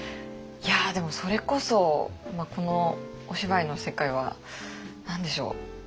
いやでもそれこそこのお芝居の世界は何でしょう。